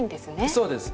そうです。